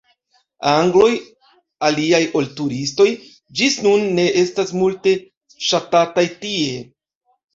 Angloj, aliaj ol turistoj, ĝis nun ne estas multe ŝatataj tie.